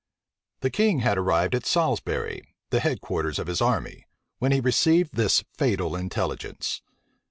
The king had arrived at Salisbury, the head quarters of his army, when he received this fatal intelligence.